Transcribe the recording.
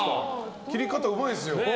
切り方、うまいですよ。